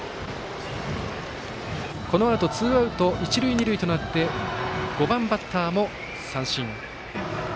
このあとツーアウト、一塁二塁となって５番バッターも三振。